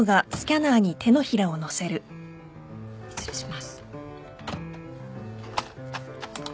失礼します。